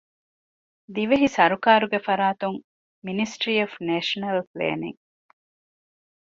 ދިވެހި ސަރުކާރުގެ ފަރާތުން މިނިސްޓްރީ އޮފް ނޭޝަނަލް ޕްލޭނިންގ،